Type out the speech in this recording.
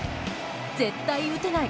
絶対に打てない。